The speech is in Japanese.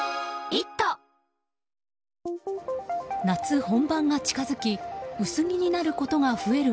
夏本番が近付き薄着になることが増える